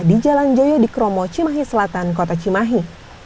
di jalan joyo di kromo cimahi selatan kota cimahi